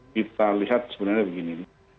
kita lihat sebenarnya begini